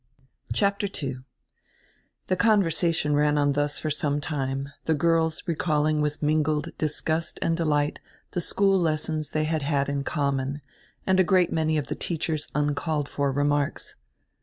CHAPTER II THE conversation ran on thus for some time, the girls recalling with mingled disgust and delight die school lessons diey had had in common, and a great many of die teacher's uncalled for remarks.